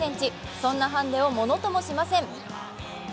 そんなハンデをものともしません。